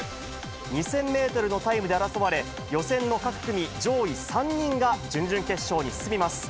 ２０００メートルのタイムで争われ、予選の各組上位３人が準々決勝に進みます。